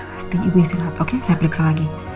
testing ibu istirahat oke saya periksa lagi